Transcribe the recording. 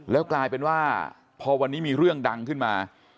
แล้วกลายเป็นว่าพอวันนี้มีเรื่องดังขึ้นมา